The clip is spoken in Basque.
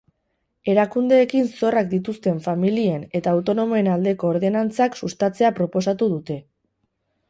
Erakundeekin zorrak dituzten familien eta autonomoen aldeko ordenantzak sustatzea proposatu dute.